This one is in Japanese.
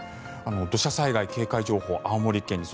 土砂災害警戒情報、青森県に。